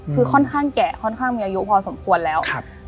คือค่อนข้างแก่ค่อนข้างมีอายุพอสมควรแล้ว